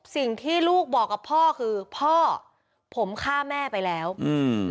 สิ่งที่ลูกบอกกับพ่อคือพ่อผมฆ่าแม่ไปแล้วอืม